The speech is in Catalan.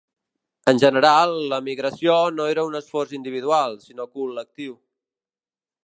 En general, la migració no era un esforç individual, sinó col·lectiu.